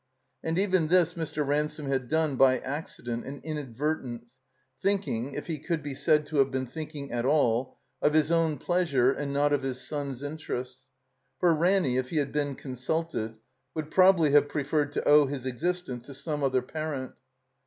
And even this Mr. Ransome had done by accident and inadvertence, thinking (if he could be said to have been thinking at all) of his own pleasure and not of his son's interests; for Ranny, if he had been consulted, would probably have preferred to owe his existence to some other parent.